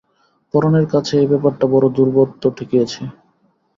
পরাণের কাছে এ ব্যাপারটা বড় দুর্বোধ্য ঠেকিয়াছে।